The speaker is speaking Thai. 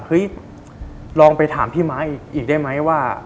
คือลองไปถามพี่มาร์คอีกได้ไหมว่า